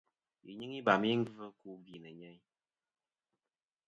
Yi nyɨŋ ibam i gvɨ ku gvì nɨ̀ nyeyn.